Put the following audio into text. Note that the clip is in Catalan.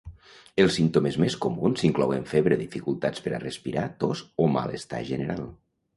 Els símptomes més comuns inclouen febre, dificultats per a respirar, tos o malestar general.